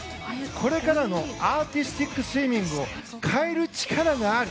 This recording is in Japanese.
これからのアーティスティックスイミングを変える力がある。